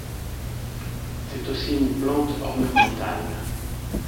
C'est aussi une plante ornementale.